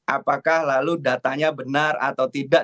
apakah lalu datanya benar atau tidak